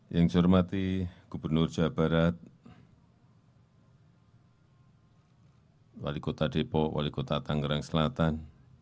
yang saya hormati gubernur jawa barat wali kota depok wali kota tangerang selatan